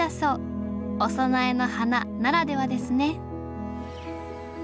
お供えの花ならではですね